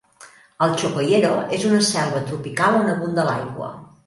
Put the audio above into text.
El Chocoyero és una selva tropical on abunda l'aigua.